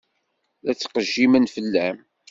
La ttqejjimen fell-am.